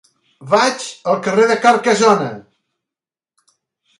Vaig al carrer de Carcassona.